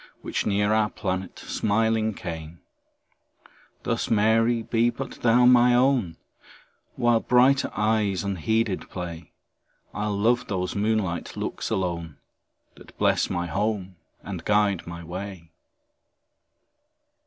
Which near our planet smiling came; Thus, Mary, be but thou my own; While brighter eyes unheeded play, I'll love those moonlight looks alone, That bless my home and guide my way.